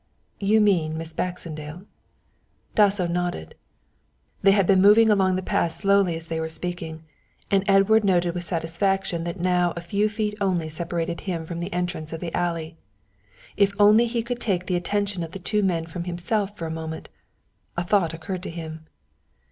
"You mean Miss Baxendale?" Dasso nodded. They had been moving along the path slowly as they were speaking, and Edward noted with satisfaction that now a few feet only separated him from the entrance to the alley. If only he could take the attention of the two men from himself for a moment. A thought occurred to him.